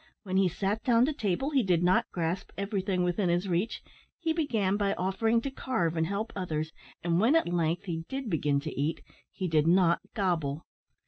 When he sat down to table he did not grasp everything within his reach; he began by offering to carve and help others, and when at length he did begin to eat, he did not gobble.